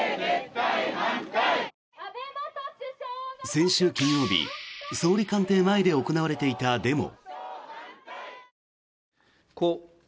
先週金曜日、総理官邸前で行われていたデモ。